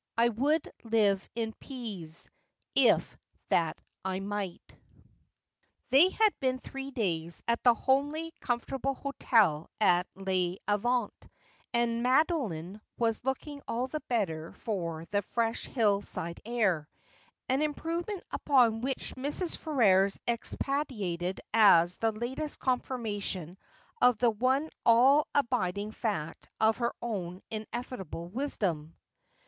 I WOLDE LIVE IN PEES, IF THAT I MIGHT.' They had been three days at the homely, comfortable hotel at Les Avants, and Madoline was looking all the better for the fresh hill side air, an improvement upon which Mrs. Ferrers expatiated as the latest confirmation of the one all abiding fact of her own ineffable wisdom.